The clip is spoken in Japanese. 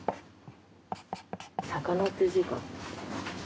魚って字。